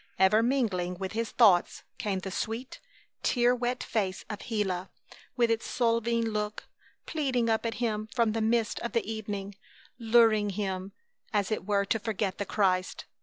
Ever mingling with his thoughts came the sweet, tear wet face of Gila, with its Solveig look, pleading up at him from the mist of the evening, luring him as it were to forget the Christ.